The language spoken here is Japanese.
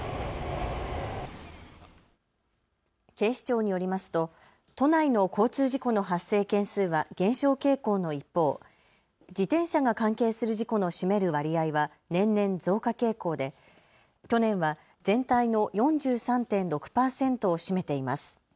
警視庁によりますと都内の交通事故の発生件数は減少傾向の一方、自転車が関係する事故の占める割合は年々増加傾向で去年は全体の４３．６％を占めています。